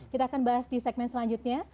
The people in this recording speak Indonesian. kita akan bahas di segmen selanjutnya